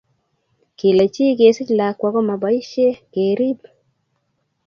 Kile chii kesich lakwa ko ma boisie keriib.